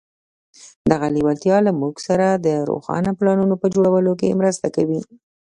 دغه لېوالتیا له موږ سره د روښانه پلانونو په جوړولو کې مرسته کوي.